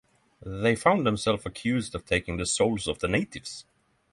They found themselves accused of taking the souls of the natives.